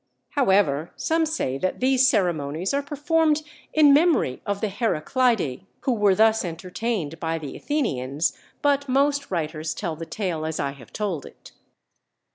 However, some say that these ceremonies are performed in memory of the Heracleidæ, who were thus entertained by the Athenians; but most writers tell the tale as I have told it.